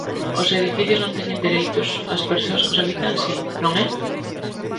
Os edificios non teñen dereitos; as persoas que os habitan, si; non é?